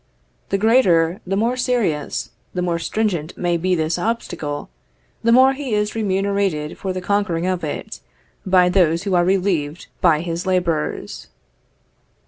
The greater, the more serious, the more stringent may be this obstacle, the more he is remunerated for the conquering of it, by those who are relieved by his labors.